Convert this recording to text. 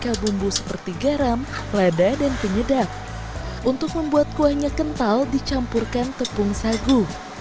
kabumbu seperti garam lada dan penyedap untuk membuat kuahnya kental dicampurkan tepung sagu